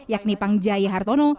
yakni pangjaya hartono